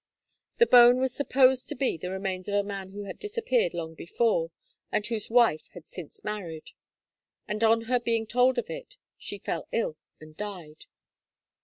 The bone was supposed to be the remains of a man who had disappeared long before, and whose wife had since married; and on her being told of it, she fell ill and died.